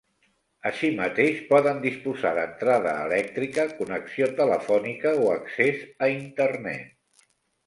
Així mateix, poden disposar d'entrada elèctrica, connexió telefònica o accés a Internet.